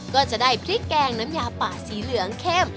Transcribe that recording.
ก็จะได้พริกแกงน้ำยาป่าสีเหลืองเข้ม